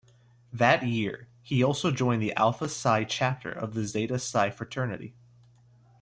That year, he also joined the Alpha Psi Chapter of the Zeta Psi Fraternity.